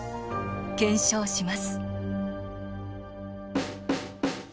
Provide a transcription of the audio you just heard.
検証します